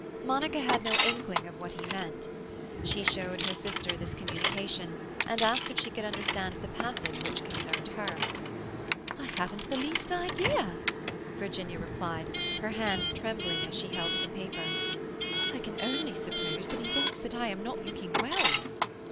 Monica had no inkling of what he meant. She showed her sister this communication, and asked if she could understand the passage which concerned her. "I haven't the least idea," Virginia replied, her hand trembling as she held the paper. "I can only suppose that he thinks that I am not looking well."